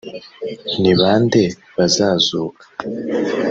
ni ba nde bazazuka?